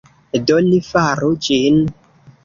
Do, ni faru ĝin